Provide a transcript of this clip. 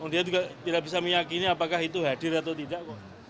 dia juga tidak bisa meyakini apakah itu hadir atau tidak kok